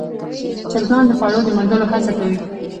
چرګان د خوړو د موندلو هڅه کوي.